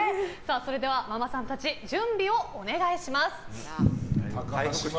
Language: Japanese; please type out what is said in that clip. それでは、ママさんたち準備をお願いします。